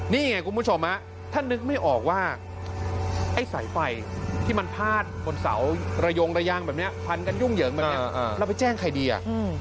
นี่ไงคุณผู้ชมถ้านึกไม่ออกว่าไอ้สายไฟที่มันพาดบนเสาระยงระยางแบบนี้พันกันยุ่งเหยิงแบบนี้เราไปแจ้งใครดีอ่ะ